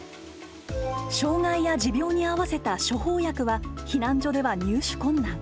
障害や持病に合わせた処方薬は避難所では入手困難。